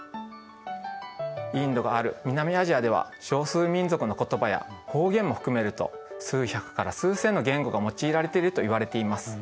インドがある南アジアでは少数民族の言葉や方言も含めると数百から数千の言語が用いられているといわれています。